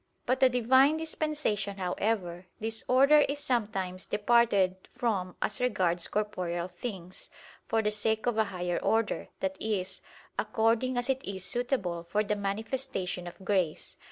But the Divine dispensation, however, this order is sometimes departed from as regards corporeal things, for the sake of a higher order, that is, according as it is suitable for the manifestation of grace.